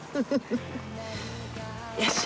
よし。